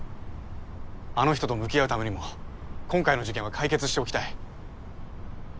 あの人と向き合うためにも今回の事件は解決しておきたい。